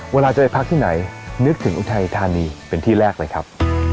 เวลาจะไปพักที่ไหนนึกถึงอุทัยธานีเป็นที่แรกเลยครับ